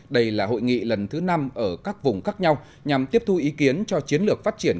đây là hội nghị lần thứ năm ở các vùng khác nhau nhằm tiếp thu ý kiến cho chiến lược phát triển